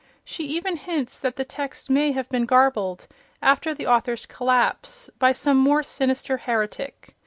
She even hints that the text may have been garbled, after the author's collapse, by some more sinister heretic.